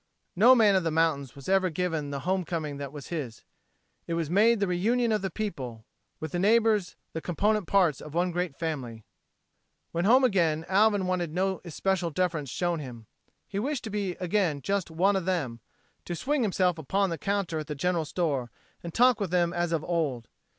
No man of the mountains was ever given the home coming that was his. It was made the reunion of the people, with the neighbors the component parts of one great family. When home again, Alvin wanted no especial deference shown him. He wished to be again just one of them, to swing himself upon the counter at the general store and talk with them as of old.